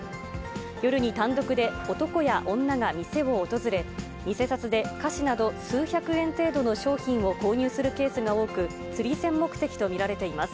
夜に単独で男や女が店を訪れ、偽札で菓子など、数百円程度の商品を購入するケースが多く、釣り銭目的と見られています。